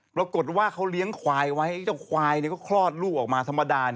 ปรากฏว่าเขาเลี้ยงควายไว้เจ้าควายก็คลอดลูกออกมาธรรมดา